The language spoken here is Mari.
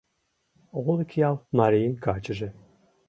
Олыкъял марийын качыже